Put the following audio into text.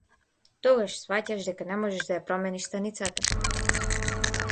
Тогаш сфаќаш дека не можеш да ја промениш станицата.